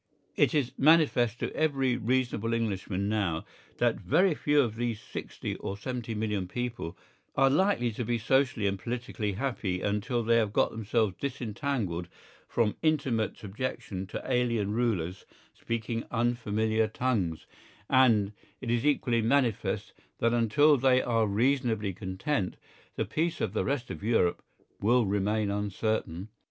It is manifest to every reasonable Englishman now that very few of these sixty or seventy million people are likely to be socially and politically happy until they have got themselves disentangled from intimate subjection to alien rulers speaking unfamiliar tongues, and it is equally manifest that until they are reasonably content, the peace of the rest of Europe will remain uncertain.